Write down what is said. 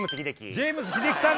ジェームス英樹さん